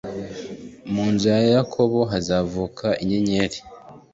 mu nzu ya yakobo hazavuka inyenyeri.